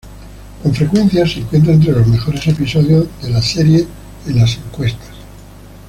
Con frecuencia se encuentra entre los mejores episodios de la serie en las encuestas.